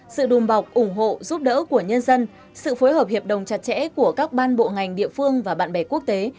sự đùm bọc ủng hộ giúp đỡ của nhân dân sự phối hợp hiệp đồng chặt chẽ của các ban bộ ngành địa phương và bạn bè quốc tế